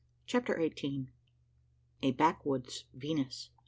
CHAPTER EIGHTEEN. A BACKWOODS VENUS.